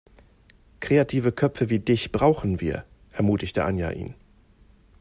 Kreative Köpfe wie dich brauchen wir, ermutigte Anja ihn.